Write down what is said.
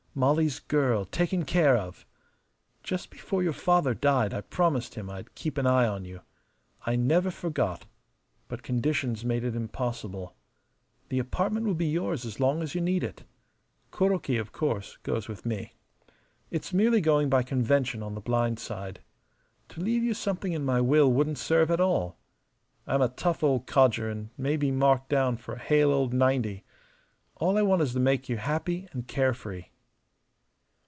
Molly's girl taken care of! Just before your father died I promised him I'd keep an eye on you. I never forgot, but conditions made it impossible. The apartment will be yours as long as you need it. Kuroki, of course, goes with me. It's merely going by convention on the blind side. To leave you something in my will wouldn't serve at all, I'm a tough old codger and may be marked down for a hale old ninety. All I want is to make you happy and carefree."